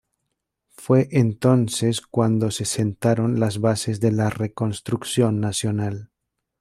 Fue entonces cuando se sentaron las bases de la Reconstrucción Nacional.